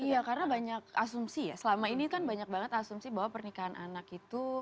iya karena banyak asumsi ya selama ini kan banyak banget asumsi bahwa pernikahan anak itu